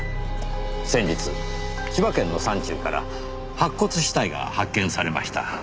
先日千葉県の山中から白骨死体が発見されました。